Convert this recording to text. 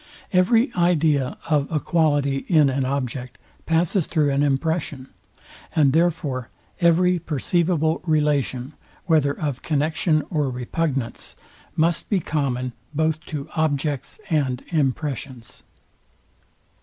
Every idea of a quality in an object passes through an impression; and therefore every perceivable relation, whether of connexion or repugnance, must be common both to objects and impressions.